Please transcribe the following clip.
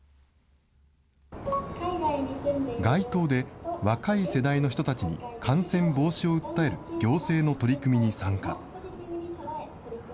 街頭で若い世代の人たちに感染防止を訴える行政の取り組みに参加。